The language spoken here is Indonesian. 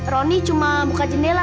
roni cuma buka jendela